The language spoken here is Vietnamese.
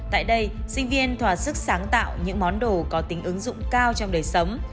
tại đây sinh viên thỏa sức sáng tạo những món đồ có tính ứng dụng cao trong đời sống